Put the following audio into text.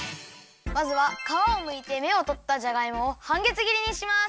まずはかわをむいてめをとったじゃがいもをはんげつ切りにします。